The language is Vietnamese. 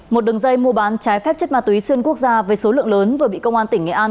một đường dây mua bán trái phép chất ma túy xuyên quốc gia với số lượng lớn vừa bị công an tỉnh nghệ an